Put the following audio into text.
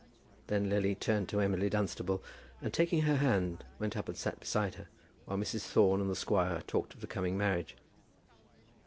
Then Lily turned to Emily Dunstable, and, taking her hand, went up and sat beside her, while Mrs. Thorne and the squire talked of the coming marriage.